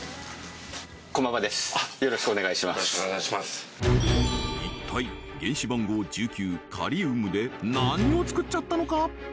です一体原子番号１９カリウムで何をつくっちゃったのか？